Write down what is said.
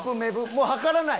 もう量らない？